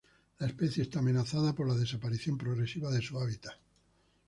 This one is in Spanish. La especie está amenazada por la desaparición progresiva de su hábitat.